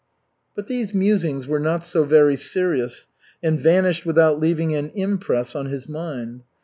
But these musings were not so very serious, and vanished without leaving an impress on his mind.